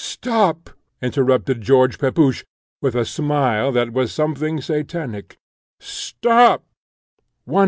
"Stop!" interrupted George Pepusch, with a smile that was something satanic: "stop!